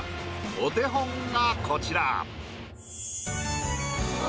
お手本がこちら。